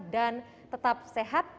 dan tetap sehat